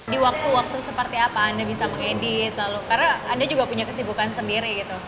di waktu waktu seperti apa anda bisa mengedit lalu karena anda juga punya kesibukan sendiri gitu